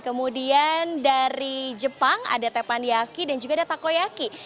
kemudian dari jepang ada tepanyaki dan juga ada takoyaki